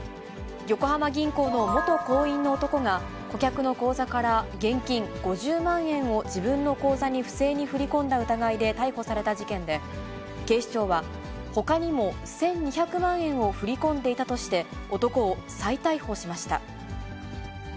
横浜銀行の元行員の男が、顧客の口座から現金５０万円を自分の口座に不正に振り込んだ疑いで逮捕された事件で、警視庁は、ほかにも１２００万円を振り込んでいたとして、男を再逮捕しました。